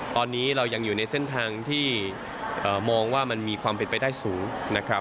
ตอนนี้เรายังอยู่ในเส้นทางที่มองว่ามันมีความเป็นไปได้สูงนะครับ